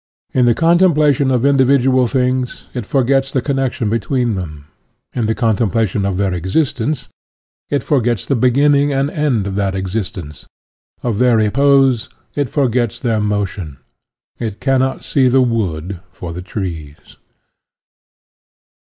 In the contemplation of individual things, it forgets the connection between them; in the contemplation of their exist ence, it forgets the beginning and end of that existence; of their repose, it forgets their motion. It cannot see the wood fcL the trees.